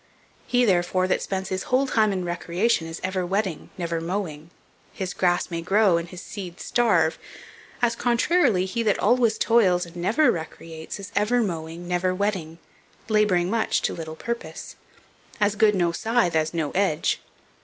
He, therefore, that spends his whole time in recreation is ever whetting, never mowing; his grass may grow and his steed starve; as, contrarily, he that always toils and never recreates, is ever mowing, never whetting, labouring much to little purpose. As good no scythe as no edge.